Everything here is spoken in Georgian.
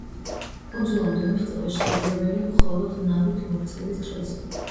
კუნძულამდე მიღწევა შესაძლებელია მხოლოდ ნავით მოქცევის დროს.